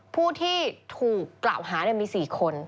ผู้ที่ถูกกล่าวหามี๔คน